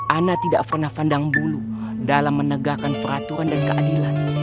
ana tidak pernah pandang bulu dalam menegakkan peraturan dan keadilan